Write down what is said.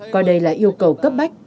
coi đây là yêu cầu cấp bách